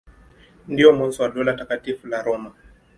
Ndio mwanzo wa Dola Takatifu la Roma.